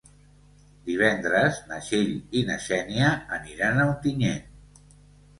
Divendres na Txell i na Xènia aniran a Ontinyent.